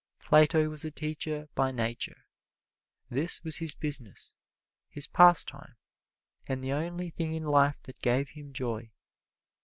Plato was a teacher by nature: this was his business, his pastime, and the only thing in life that gave him joy.